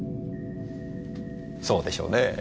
そうでしょうねぇ。